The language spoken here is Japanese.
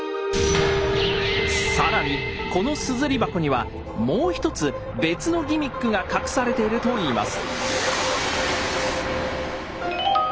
さらにこの硯箱にはもう一つ別のギミックが隠されているといいます。